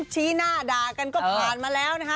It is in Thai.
ชี้หน้าด่ากันก็ผ่านมาแล้วนะคะ